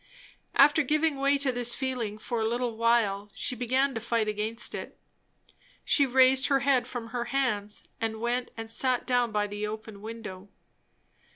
After giving way to this feeling for a little while, she began to fight against it. She raised her head from her hands, and went and sat down by the open window.